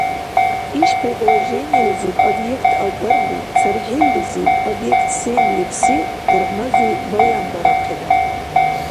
Ца предложениелизиб объект агарли, цархӀиллизиб объект сен лебсил, дурхӀнази баянбарахъира.